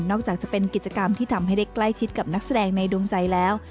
จากจะเป็นกิจกรรมที่ทำให้ได้ใกล้ชิดกับนักแสดงในดวงใจแล้ว